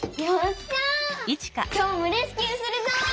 きょうもレスキューするぞ！